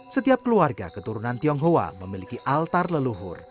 setiap keluarga keturunan tionghoa memiliki altar leluhur